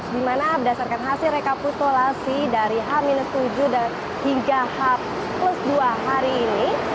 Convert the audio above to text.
dimana berdasarkan hasil rekapitulasi dari h tujuh hingga h plus dua hari ini